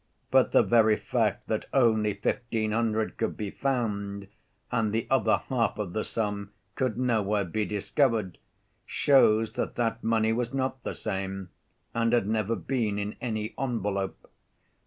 But the very fact that only fifteen hundred could be found, and the other half of the sum could nowhere be discovered, shows that that money was not the same, and had never been in any envelope.